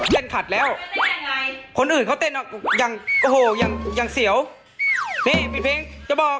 เต้นขัดแล้วคนอื่นเขาเต้นอย่างโอ้โหอย่างเสียวนี่ปิดเพลงจะบอก